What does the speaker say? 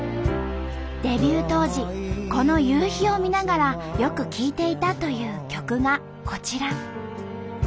デビュー当時この夕日を見ながらよく聴いていたという曲がこちら。